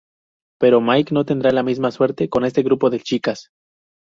Pero Mike no tendrá la misma suerte con este grupo de chicas.